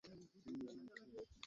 সে পুরো ডিপার্টমেন্টের মজা উড়িয়েছে।